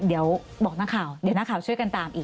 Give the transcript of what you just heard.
เดี๋ยวบอกนักข่าวเดี๋ยวนักข่าวช่วยกันตามอีก